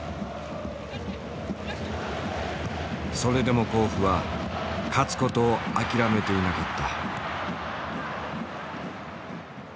それでも甲府は勝つことを諦めていなかった。